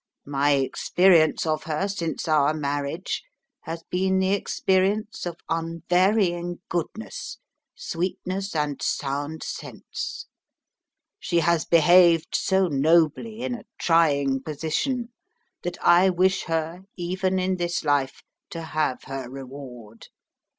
My experience of her since our marriage has been the experience of unvarying goodness, sweetness, and sound sense. She has behaved so nobly in a trying position that I wish her (even in this life) to have her reward.